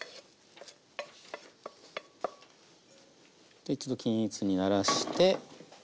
で一度均一にならして。